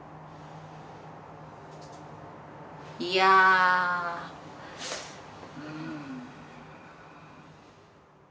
いやうん。